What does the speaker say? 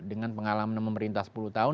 dengan pengalaman pemerintah sepuluh tahun